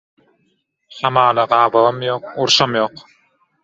Hamala gabawam ýok, urşam ýok.